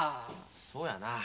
そうやな。